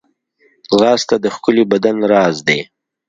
ځغاسته د ښکلي بدن راز دی